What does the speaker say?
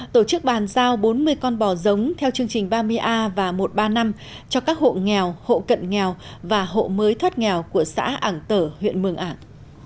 tổ chức bàn giao bốn mươi con bò giống theo chương trình ba mươi a và một trăm ba mươi năm cho các hộ nghèo hộ cận nghèo và hộ mới thoát nghèo của xã ảng tở huyện mường ảng